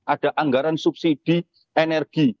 ada anggaran subsidi energi